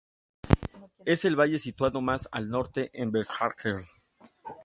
Es el valle situado más al norte en Vest-Agder.